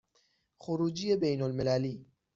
خروجی بین المللی